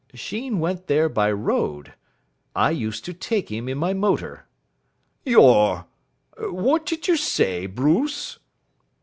"Sheen went there by road. I used to take him in my motor." "Your ! What did you say, Bruce?"